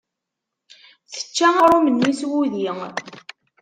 Tečča aɣrum-nni s wudi.